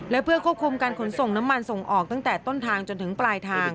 และเพื่อควบคุมการขนส่งน้ำมันส่งออกตั้งแต่ต้นทางจนถึงปลายทาง